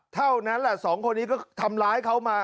เท่านั้นแหละสองคนนี้ก็ทำร้ายเขามา